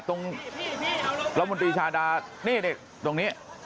ตรงราวมนตรีชาดานี่เนี่ยตรงนี้